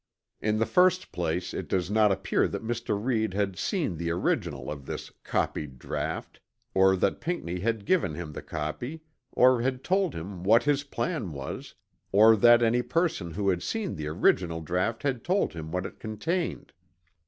In the first place it does not appear that Mr. Read had seen the original of this "copied draught" or that Pinckney had given him the copy or had told him what his plan was or that any person who had seen the original draught had told him what it contained.